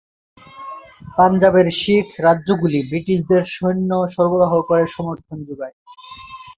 পাঞ্জাবের শিখ রাজ্যগুলি ব্রিটিশদের সৈন্য সরবরাহ করে সমর্থন জোগায়।